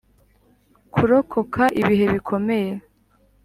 kurokoka ibihe bikomeye.